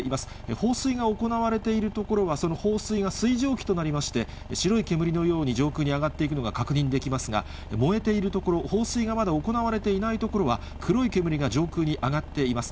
放水が行われている所は、その放水が水蒸気となりまして、白い煙のように上空に上がっていくのが確認できますが、燃えているところ、放水がまだ行われていない所は、黒い煙が上空に上がっています。